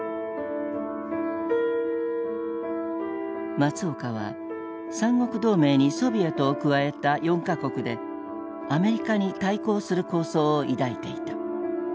松岡は三国同盟にソビエトを加えた４か国でアメリカに対抗する構想を抱いていた。